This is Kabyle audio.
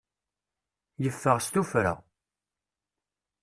Yeffeɣ s tuffra.